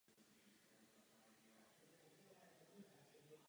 Část očekávaných osadníků zahynula během holokaustu v Evropě.